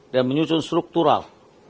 dan menyusun struktural